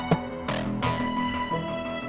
udah disem trials lah